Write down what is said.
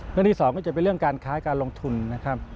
เรื่องที่สองก็จะเป็นเรื่องการค้าการลงทุนนะครับ